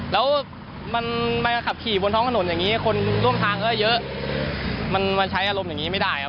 แล้วมันมาขับขี่บนท้องถนนอย่างนี้คนร่วมทางก็เยอะมันมาใช้อารมณ์อย่างนี้ไม่ได้ครับ